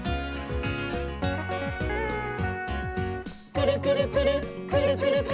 「くるくるくるっくるくるくるっ」